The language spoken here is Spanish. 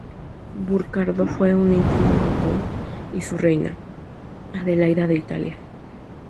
Burcardo fue un íntimo de Otón y su reina, Adelaida de Italia.